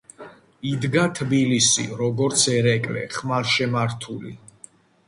იდგა თბილისი როგორც ერეკლე ხმალშემართული